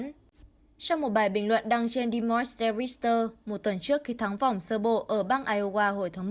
trong một bài bình luận đăng trên demonstrator một tuần trước khi thắng vỏng sơ bộ ở bang iowa hồi tháng một